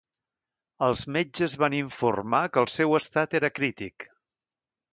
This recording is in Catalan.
Els metges van informar que el seu estat era crític.